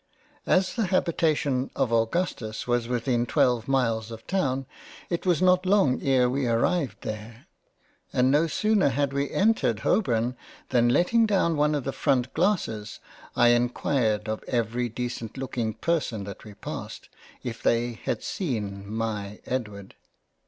As the Habitation of Augustus was within twelve miles of Town, it was not long e'er we arrived there, and no sooner had we entered Holboun than letting down one of the Front Glasses I enquired of every decent looking Person that we passed " If they had seen my Edward